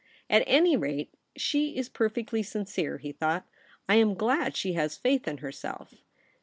'At any rate, she Is perfectly sincere,' he thought. * I am glad she has faith In herself.'